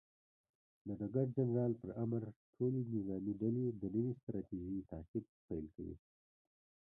د ډګر جنرال پر امر، ټولې نظامي ډلې د نوې ستراتیژۍ تعقیب پیل کوي.